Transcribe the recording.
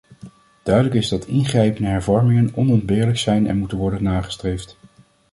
Duidelijk is dat ingrijpende hervormingen onontbeerlijk zijn en moeten worden nagestreefd.